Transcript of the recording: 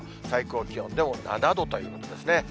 最高気温でも７度ということですね。